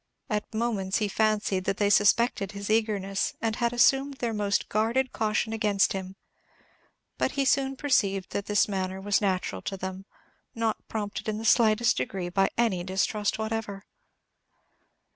At moments he fancied that they suspected his eagerness, and had assumed their most guarded caution against him; but he soon perceived that this manner was natural to them, not prompted in the slightest degree by any distrust whatever.